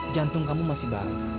jantung kamu masih bangga